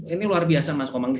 ini luar biasa mas komang